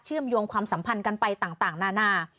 เชื่อมโยงความสัมพันธ์กันไปต่างหน้า